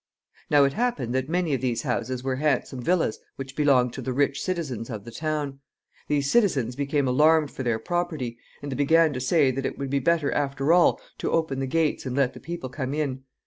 Now it happened that many of these houses were handsome villas which belonged to the rich citizens of the town. These citizens became alarmed for their property, and they began to say that it would be better, after all, to open the gates and let the people come in.